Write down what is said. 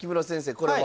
これは？